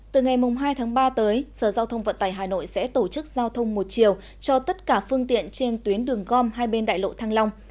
từ ngày hai tháng ba tới sở giao thông vận tải hà nội sẽ tổ chức giao thông một chiều cho tất cả phương tiện trên tuyến đường gom hai bên đại lộ thăng long